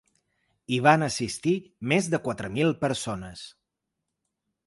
Hi van assistir més de quatre mil persones.